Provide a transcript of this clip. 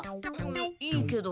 いいけど。